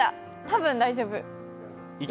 多分大丈夫、怖い。